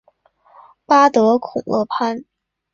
巴德孔勒潘。